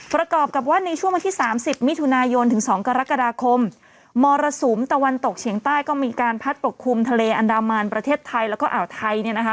ประกอบกับว่าในช่วงวันที่สามสิบมิถุนายนถึงสองกรกฎาคมมรสุมตะวันตกเฉียงใต้ก็มีการพัดปกคลุมทะเลอันดามันประเทศไทยแล้วก็อ่าวไทยเนี่ยนะคะ